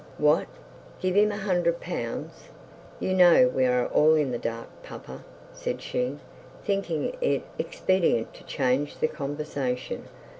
'What? Give him a hundred pounds!' 'You know we are all in the dark, papa,' said she, thinking it expedient to change the conversation.